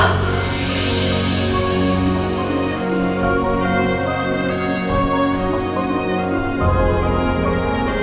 aku kasihan sama tante frozen